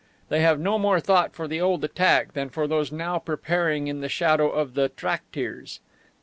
They have no more thought for the old attack than for those now preparing in the shadow of the "tracktirs."